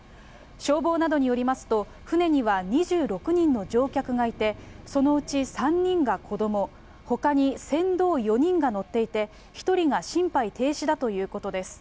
消防などによりますと、舟には２６人の乗客がいて、そのうち３人が子ども、ほかに船頭４人が乗っていて、１人が心肺停止だということです。